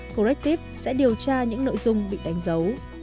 correctiv sẽ điều tra những nội dung bị đánh dấu